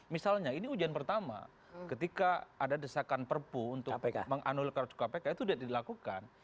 misalnya ini ujian pertama ketika ada desakan perpu untuk meng annul karus kpk itu sudah dilakukan